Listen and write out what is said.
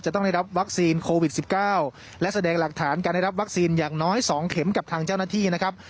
ต้องได้รับวัคซีนโควิด๑๙และแสดงหลักฐานการได้รับวัคซีนอย่างน้อย๒เข็มกับทางเจ้าหน้าที่นะครับ